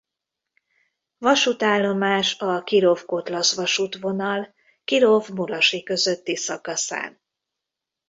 Vasútállomás a Kirov–Kotlasz vasútvonal Kirov–Murasi közötti szakaszán.